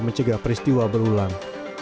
mencegah peristiwa berulang